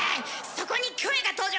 そこにキョエが登場。